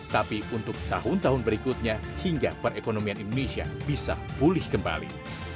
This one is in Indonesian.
tapi untuk tahun tahun berikutnya hingga perekonomian indonesia bisa pulih kembali